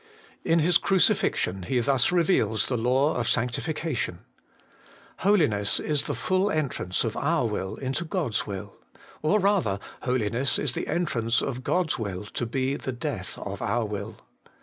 In His crucifixion He thus reveals the law of sanctification. Holiness is the full entrance of our will into God's will. Or rather, Holiness is the entrance of God's will to be the death of our will.